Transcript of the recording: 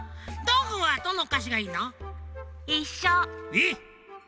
えっ！？